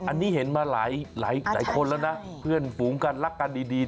อันนี้เห็นมาหลายคนแล้วนะเพื่อนฝูงกันรักกันดี